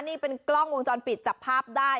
นี่เป็นกล้องวงจรปิดจับภาพได้